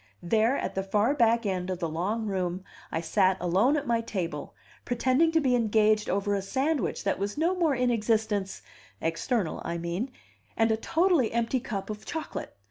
There, at the far back end of the long room, I sat alone at my table, pretending to be engaged over a sandwich that was no more in existence external, I mean and a totally empty cup of chocolate.